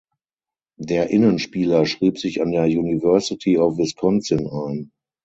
Der Innenspieler schrieb sich an der University of Wisconsin ein.